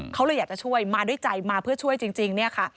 เขาเลยอยากจะช่วยมาด้วยใจมาเพื่อช่วยจริงเนี่ยค่ะ